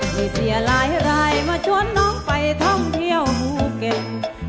มืดเสียหลายหลาย้มาชวนน้องไปท่องเที่ยวหูเกบน้ำไซ่หาดสวยเสด็จ